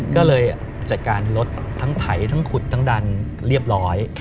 ก็เลยจัดการรถทั้งไถทั้งขุดทั้งดันเรียบร้อย